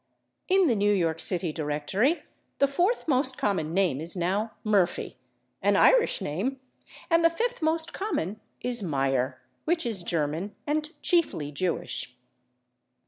In the New York city directory the fourth most common name is now /Murphy/, an Irish name, and the fifth most common is /Meyer/, which is German and chiefly Jewish.